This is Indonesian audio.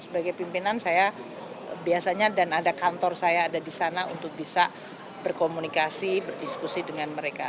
sebagai pimpinan saya biasanya dan ada kantor saya ada di sana untuk bisa berkomunikasi berdiskusi dengan mereka